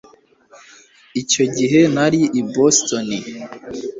Icyo gihe nari i Boston.